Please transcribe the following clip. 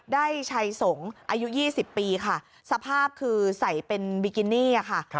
ได้ชัยสงฆ์อายุ๒๐ปีค่ะสภาพคือใส่เป็นบิกินี่ค่ะ